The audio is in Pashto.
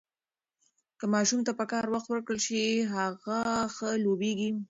که ماشوم ته پکار وخت ورکړل شي، هغه ښه لوییږي.